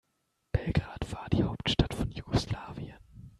Belgrad war die Hauptstadt von Jugoslawien.